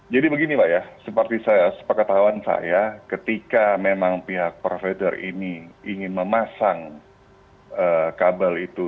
jadi begini pak ya seperti saya sepekat tahuan saya ketika memang pihak provider ini ingin memasang kabel itu